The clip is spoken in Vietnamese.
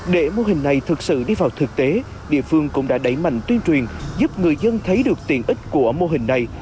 để mô hình này thực sự đi vào thực tế địa phương cũng đã đẩy mạnh tuyên truyền giúp người dân thấy được tiện ích của mô hình này